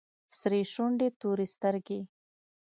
سرې شونډې تورې سترگې.